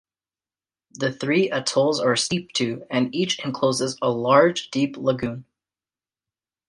The three atolls are steep-to and each encloses a large deep lagoon.